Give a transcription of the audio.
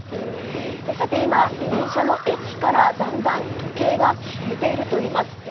今、電車の駅からだんだん時計が消えているといいます。